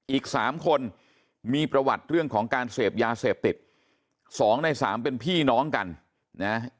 อีกสามคนมีประวัติเรื่องของการเสพยาเสพติดสองในสามเป็นพี่น้องกันนะ